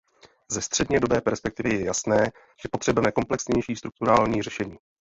Ze střednědobé perspektivy je jasné, že potřebujeme komplexnější strukturální řešení.